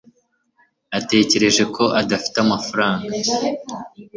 natekereje ko udafite amafaranga